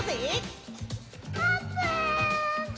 あーぷん！